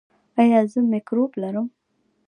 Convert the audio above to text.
ایا زه مکروب لرم؟